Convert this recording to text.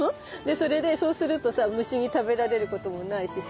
それでそうするとさ虫に食べられることもないしさ